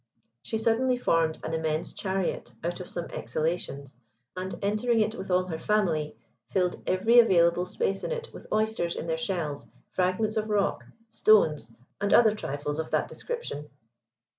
She suddenly formed an immense chariot out of some exhalations, and, entering it with all her family, filled every available space in it with oysters in their shells, fragments of rock, stones, and other trifles of that description.